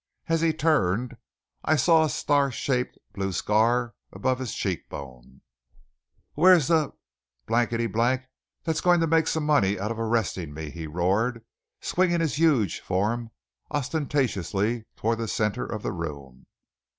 As he turned I saw a star shaped blue scar above his cheekbone. "Where's the that is going to make some money out of arresting me?" he roared, swinging his huge form ostentatiously toward the centre of the room.